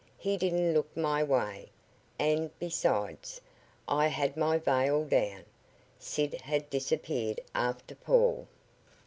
He didn't look my way, and, besides, I had my veil down." Sid had disappeared after Paul.